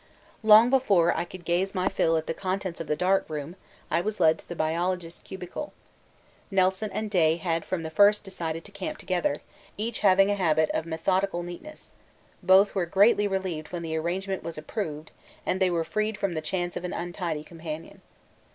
Long before I could gaze my fill at the contents of the dark room I was led to the biologists' cubicle; Nelson and Day had from the first decided to camp together, each having a habit of methodical neatness; both were greatly relieved when the arrangement was approved, and they were freed from the chance of an untidy companion.